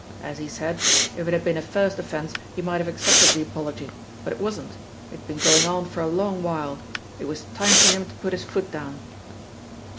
As he said, if it had been a first offence he might have accepted the apology, but it wasn't; it's been going on for a long while, it was time for him to put his foot down.